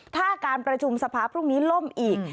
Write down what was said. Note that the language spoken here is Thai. ถ้าการประชุมสภาพรุ่งนี้ล่มอีก